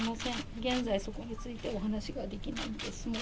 現在、そこについてはお話ができないんです。